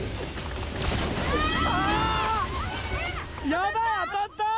やばい当たった？